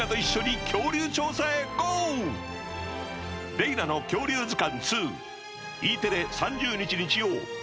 デイナの恐竜図鑑。